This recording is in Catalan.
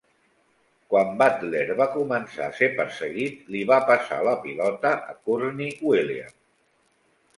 Quan Butler va començar a ser perseguit, li va passar la pilota a Courtney Williams.